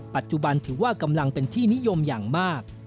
ปัจจุบันถือว่ากำลังเป็นที่นิยมอย่างมาก